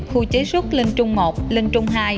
khu chế xuất linh trung một linh trung hai